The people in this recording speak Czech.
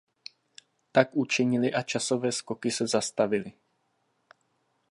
Tak učinili a časové skoky se zastavily.